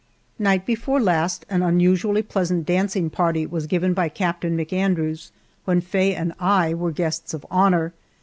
Night before last an unusually pleasant dancing party was given by Captain McAndrews, when Faye and I were guests of honor.